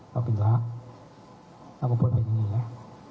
เราเป็นฟ้าเราก็พูดไปอย่างนี้แหละ